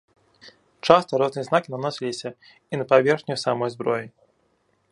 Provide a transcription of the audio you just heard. Часта розныя знакі наносіліся і на паверхню самой зброі.